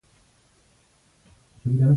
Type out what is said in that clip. غریب له ښې پاملرنې ژوند جوړوي